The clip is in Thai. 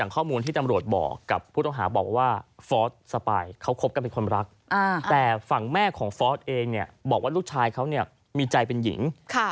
คุณผู้หญิง